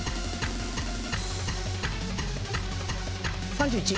３１。